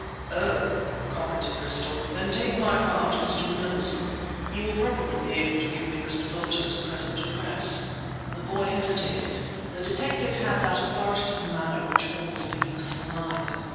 "Oh," commented Bristol, "then take my card to Mr. Knowlson; he will probably be able to give me Mr. Boulter's present address." The boy hesitated. The detective had that authoritative manner which awes the youthful mind.